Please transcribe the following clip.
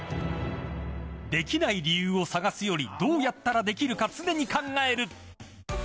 できない理由を探すよりどうやったら出来るか常に考える。